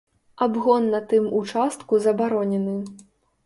Абгон на тым участку забаронены.